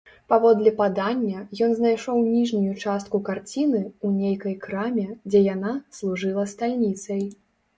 Паводле падання, ён знайшоў ніжнюю частку карціны ў нейкай краме, дзе яна служыла стальніцай.